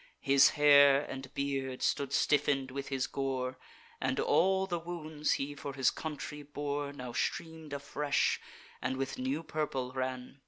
His hair and beard stood stiffen'd with his gore; And all the wounds he for his country bore Now stream'd afresh, and with new purple ran.